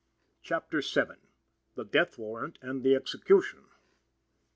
CHAPTER VII. THE DEATH WARRANT AND THE EXECUTION.